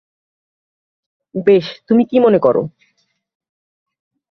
বেশ, তুমি কি মনে করো?